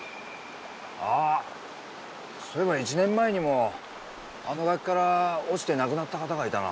ああそういえば１年前にもあの崖から落ちて亡くなった方がいたな。